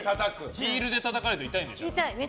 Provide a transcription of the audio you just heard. ヒールでたたくと痛いんでしょ。